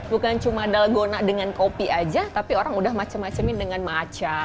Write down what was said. bukan cuma dalgona dengan kopi aja tapi orang udah macem macemin dengan macha